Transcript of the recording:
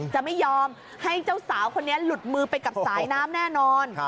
จะไม่ยอมให้เจ้าสาวคนนี้หลุดมือไปกับสายน้ำแน่นอน